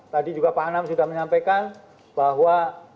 tadi juga pak anam sudah menyampaikan bahwa